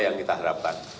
yang kita harapkan